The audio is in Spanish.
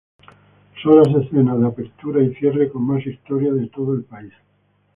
Son las escenas de apertura y cierre con más historia de todo el país.